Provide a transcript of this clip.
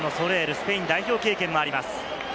スペイン代表経験もあります。